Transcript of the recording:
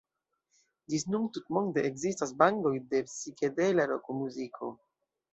Ĝis nun tutmonde ekzistas bandoj de psikedela rokmuziko.